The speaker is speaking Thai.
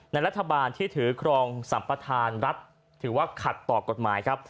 รัฐบาลที่ถือครองสัมประธานรัฐถือว่าขัดต่อกฎหมายครับ